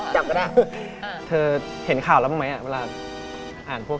สมมติอส่วนใหญ่เวลาแบบ